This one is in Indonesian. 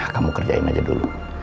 kamu kerjain aja dulu